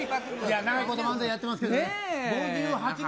長いこと、漫才やってますけどね、５８年。